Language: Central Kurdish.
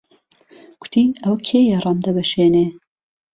کوتی ئهوه کێيه ڕامدهوهشێنێ